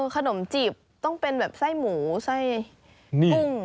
ขนมจีบต้องเป็นแบบไส้หมูไส้กุ้ง